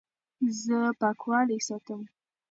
زه پاکوالی ساتم.